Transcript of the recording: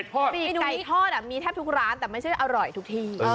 ไก่ทอดมีแทบทุกร้านแต่ไม่ใช่อร่อยทุกที่